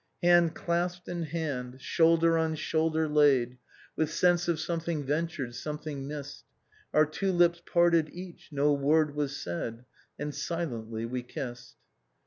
" Hand clasped in hand, shoulder on shoulder laid, With sense of something ventured, something misBed, Our two lips parted, each ; no word was said, And silently we kissed.